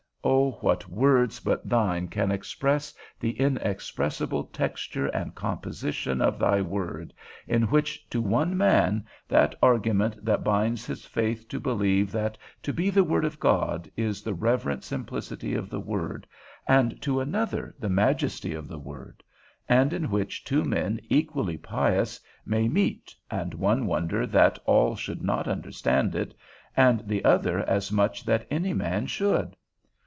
O, what words but thine can express the inexpressible texture and composition of thy word, in which to one man that argument that binds his faith to believe that to be the word of God, is the reverent simplicity of the word, and to another the majesty of the word; and in which two men equally pious may meet, and one wonder that all should not understand it, and the other as much that any man should.